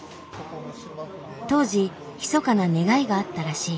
当時ひそかな願いがあったらしい。